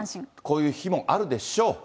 こういう日もあるでしょう。